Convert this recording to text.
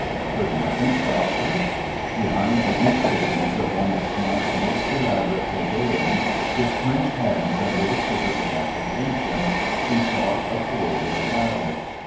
Could nothing stop her? Behind the intricacies of one of Smart's most elaborate "Te Deums," with clenched hands and little shivers of apprehension, she fought a poor little battle.